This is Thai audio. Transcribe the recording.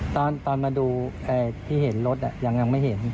ตอนตอนมาดูแอที่เห็นรถยังยังไม่เห็น